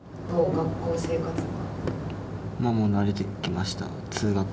学校生活は。